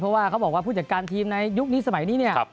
เพราะว่าเขาบอกว่าผู้จัดการทีมในยุคนี้สมัยนี้เนี่ย